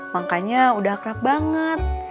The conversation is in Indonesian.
makanya udah akrab banget